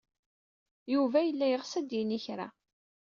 Yuba yella yeɣs ad d-yini kra.